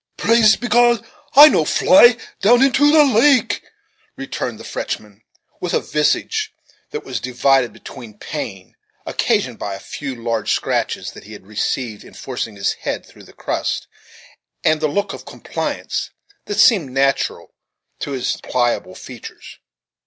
"Praise be God, I no fly down into the lake," returned the Frenchman, with a visage that was divided between pain, occasioned by a few large scratches that he had received in forcing his head through the crust, and the look of complaisance that seemed natural to his pliable features.